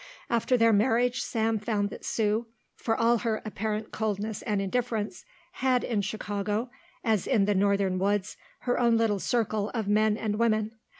After their marriage Sam found that Sue, for all her apparent coldness and indifference, had in Chicago, as in the northern woods, her own little circle of men and women.